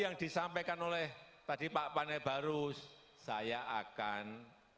yang disampaikan oleh tadi pak panebaru saya akan